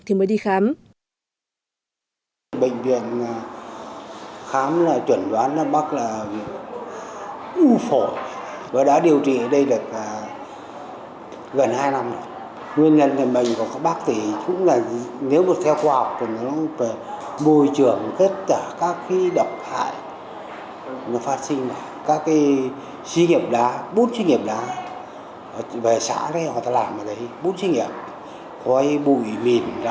thì mới đi khám